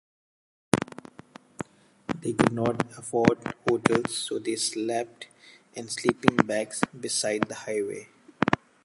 They could not afford hotels so they slept in sleeping bags beside the highway.